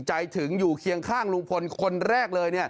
ใจถึงอยู่เคียงข้างลุงพลคนแรกเลย